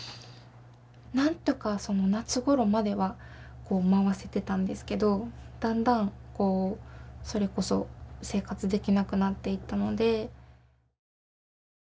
なんとかその夏ごろまでは回せてたんですけどだんだんそれこそ生活できなくなっていったので。